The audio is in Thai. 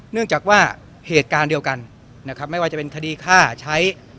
เนื่องจากว่าเหตุการณ์เดียวกันนะครับไม่ว่าจะเป็นคดีฆ่าใช้